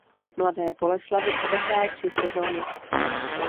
V Mladé Boleslavi odehrál tři sezony.